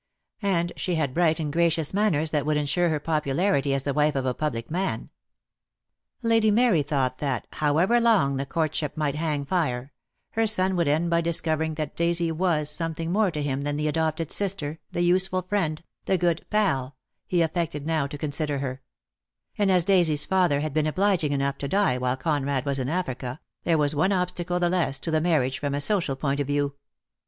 And she had bright and gracious manners that would ensure her popularity as the wife of a public man. 2 94 DEAD LOVE HAS CHAINS. Lady Mary thought that, however long the courtship might hang fire, her son would end by discovering that Daisy was something more to him than the adopted sister, the useful friend, the good "Pal" he affected now to consider her; and as Daisy's father had been obliging enough to die while Conrad was in Africa, there was one ob stacle the less to the marriage from a social point of view.